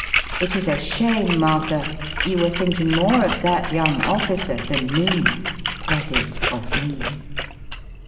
" It is a shame, Martha ! you were thinking more of that young officer than me," that is, "of me."